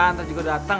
ntar juga datang